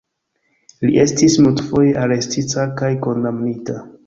Li estis multfoje arestita kaj kondamnita.